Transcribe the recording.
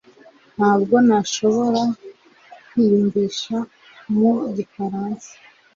Ntabwo nashoboraga kwiyumvisha mu gifaransa